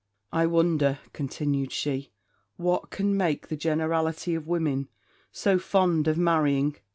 'I wonder,' continued she, 'what can make the generality of women so fond of marrying?